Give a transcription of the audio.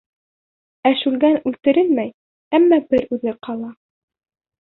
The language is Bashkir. Ә Шүлгән үлтерелмәй, әммә бер үҙе ҡала.